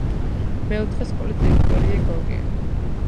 მეოთხე სკოლის დირექტორია გოგი.